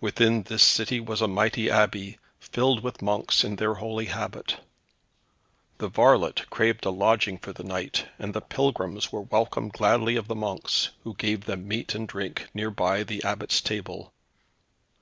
Within this city was a mighty Abbey, filled with monks in their holy habit. The varlet craved a lodging for the night, and the pilgrims were welcomed gladly of the monks, who gave them meat and drink near by the Abbot's table.